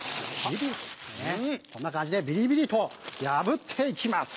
ビリビリっとこんな感じでビリビリと破って行きます。